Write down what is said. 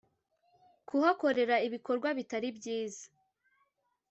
kuhakorera ibikorwa bitari byiza